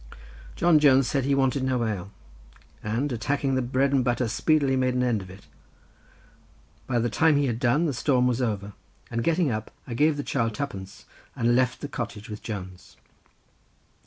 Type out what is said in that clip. John Jones said he wanted no ale—and attacking the bread and butter speedily made an end of it; by the time he had done the storm was over, and getting up I gave the child twopence, and left the cottage with Jones.